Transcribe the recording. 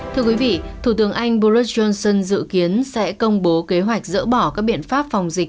thưa quý vị thủ tướng anh boris johnson dự kiến sẽ công bố kế hoạch dỡ bỏ các biện pháp phòng dịch